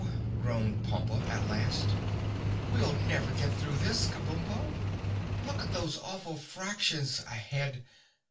groaned Pompa at last, "We'll never get through this, Kabumpo. Look at those awful fractions ahead!